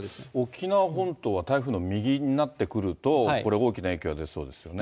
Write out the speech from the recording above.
沖縄本島は台風の右になってくると、これ、大きな影響が出そうですよね。